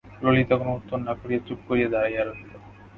ললিতা কোনো উত্তর না করিয়া চুপ করিয়া দাঁড়াইয়া রহিল।